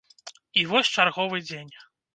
І вось чарговы дзень.